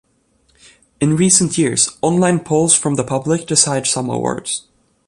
In recent years, online polls from the public decide some awards.